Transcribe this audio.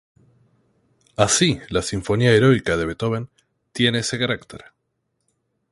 Así, la "Sinfonía Heroica" de Beethoven, tiene ese carácter.